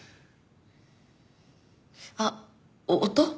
あっお音？